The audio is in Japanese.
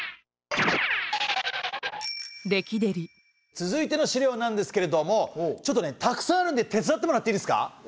続いての資料なんですけれどもちょっとねたくさんあるんで手伝ってもらっていいですか。